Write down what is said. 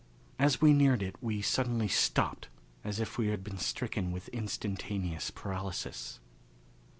As we neared it we suddenly stopped as if we had been stricken with instantaneous paralysis.